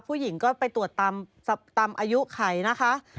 ผู้หญิงก็ไปตรวจตามอายุไขนะคะ